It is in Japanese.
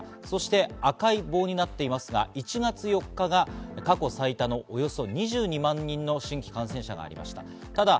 そして赤い棒になっていますが、１月４日が過去最多のおよそ２２万人の新規感染者がありました。